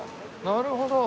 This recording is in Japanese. なるほど。